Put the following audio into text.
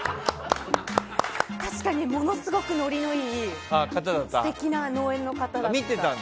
確かにものすごくノリのいい素敵な農園の方でした。